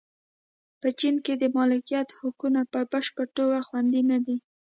په چین کې د مالکیت حقونه په بشپړه توګه خوندي نه دي.